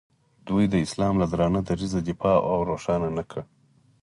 دوی د اسلام له درانه دریځه دفاع او روښانه نه کړ.